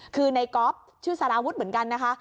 คือในก๊อฟชื่อสารวุฒิเหมือนกันนะคะ